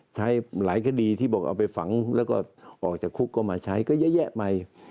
หลายคดีที่บอกเอาไปฝังแล้วก็ออกจากคุกก็มาใช้ก็เยอะแยะไป